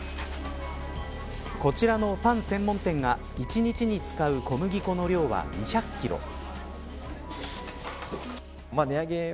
こちらのパン専門店が１日に使う小麦粉の量は２００キロ。